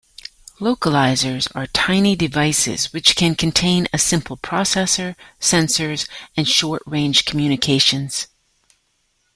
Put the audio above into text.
Localizers are tiny devices which can contain a simple processor, sensors, and short-range communications.